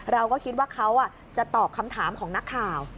เราก็คิดว่าเขาจะตอบคำถามของนักข่าว